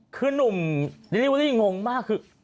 คือหนุ่มดิลลี่วอลลี่นินงงมากคือ